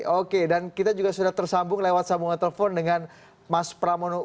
oke dan kita juga sudah tersambung lewat sambungan telepon dengan mas pramono u